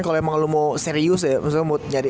kalau emang lu mau serius ya